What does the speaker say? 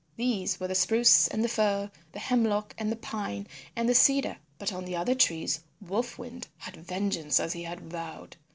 These were the Spruce and the Fir, the Hemlock and the Pine and the Cedar. But on the other trees Wolf Wind had vengeance as he had vowed.